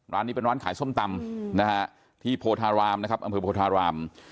ร้านนี้เป็นร้านขายส้มตำนะฮะที่โพธารามนะครับอำเภอโพธาราม